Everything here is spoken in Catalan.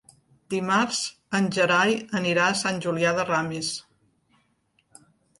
Dimarts en Gerai anirà a Sant Julià de Ramis.